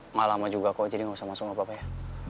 enggak lama juga kok jadi enggak usah masuk enggak apa apa ya